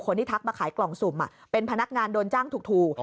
ทักมาขายกล่องสุ่มเป็นพนักงานโดนจ้างถูก